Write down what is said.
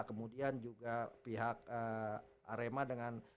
kemudian juga pihak arema dengan